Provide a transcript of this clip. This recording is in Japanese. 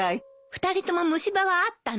２人とも虫歯はあったの？